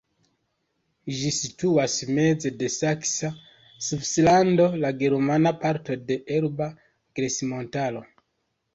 Ĝi situas meze de Saksa Svislando, la germana parto de Elba Grejsmontaro.